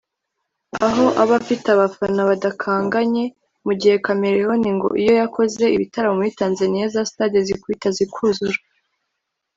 aho aba afite abafana badakanganye mu gihe Chameleone ngo iyo yakoze ibitaramo muri Tanzania za sitade zikubita zikuzura